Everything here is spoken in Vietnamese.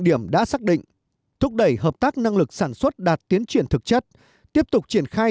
điểm đã xác định thúc đẩy hợp tác năng lực sản xuất đạt tiến triển thực chất tiếp tục triển khai